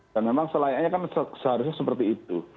dan memang seharusnya seperti itu